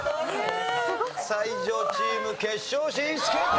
才女チーム決勝進出決定！